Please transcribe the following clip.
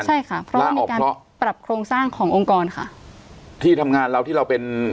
ใช่ค่ะเพราะว่ามีการปรับโครงสร้างขององค์กรค่ะที่ทำงานเราที่เราเป็น